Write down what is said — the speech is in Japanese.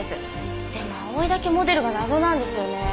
でも葵だけモデルが謎なんですよね。